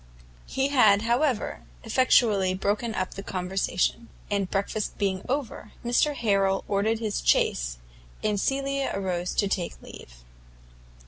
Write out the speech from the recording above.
He had, however, effectually broken up the conversation; and breakfast being over, Mr Harrel ordered his chaise, and Cecilia arose to take leave.